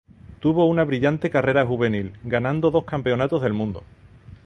Tuvo una brillante carrera juvenil, ganando dos campeonatos del mundo.